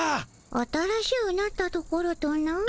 新しゅうなったところとな？